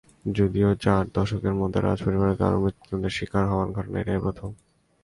যদিও চার দশকের মধ্যে রাজপরিবারের কারও মৃত্যুদণ্ডের শিকার হওয়ার ঘটনা এটাই প্রথম।